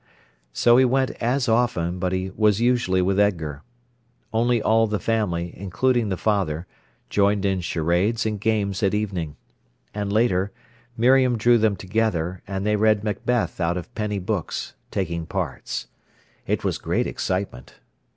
So he went as often, but he was usually with Edgar. Only all the family, including the father, joined in charades and games at evening. And later, Miriam drew them together, and they read Macbeth out of penny books, taking parts. It was great excitement.